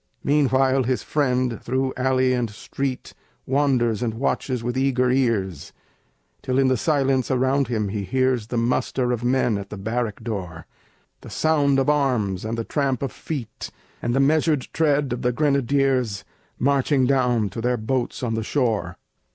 Meanwhile, his friend through alley and street Wanders and watches with eager ears, Till in the silence around him he hears The muster of men at the barrack door, The sound of arms, and the tramp of feet, And the measured tread of the grenadiers Marching down to their boats on the shore.